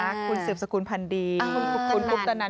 คุณสึกสกุนพันดีคุณอุ๊บจะนัน